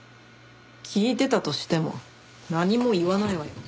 聞いてたとしても何も言わないわよ。